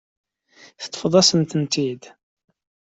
Teṭṭfeḍ-asent-tent-id.